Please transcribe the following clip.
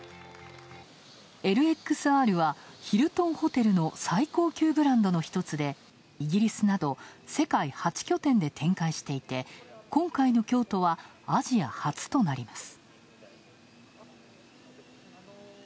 ＬＸＲはヒルトンホテルの最高級ブランドの一つでイギリスなど世界８拠点で展開していて今回の京都はアジア初となります。